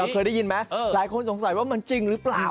เคยได้ยินไหมหลายคนสงสัยว่ามันจริงหรือเปล่า